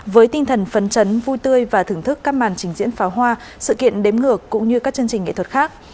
với tinh thần phấn chấn vui tươi và thưởng thức các màn trình diễn pháo hoa sự kiện đếm ngược cũng như các chương trình nghệ thuật khác